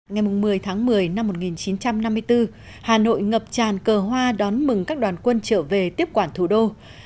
ngày một mươi tháng một mươi năm một nghìn chín trăm năm mươi bốn hà nội ngập tràn cờ hoa đón mừng các đoàn quân trở về tiếp quản thủ đô